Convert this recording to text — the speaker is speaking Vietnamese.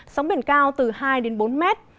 sóng biển cao từ hai bốn mét